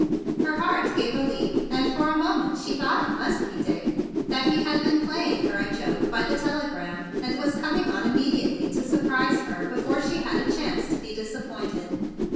Her heart gave a leap, and for a moment she thought it must be Dick; that he had been playing her a joke by the tele¬ gram, and was coming on immediately to surprise her before she had a chance to be disappointed.